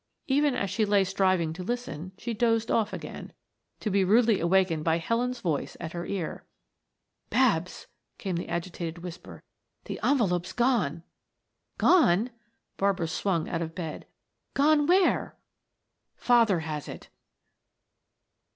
Even as she lay striving to listen, she dozed off again, to be rudely awakened by Helen's voice at her ear. "Babs!" came the agitated whisper. "The envelope's gone." "Gone!" Barbara swung out of bed. "Gone where?" "Father has it."